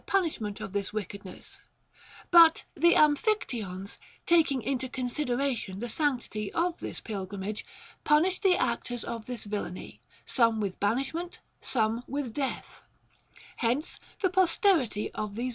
293 punishment of this wickedness ; but the Amphictyons, taking into consideration the sanctity of this pilgrim age, punished the actors of this villany, some with ban ishment, some with death.